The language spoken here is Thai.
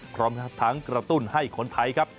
พร้อมทั้งกระตุ้นให้คนไทยครับ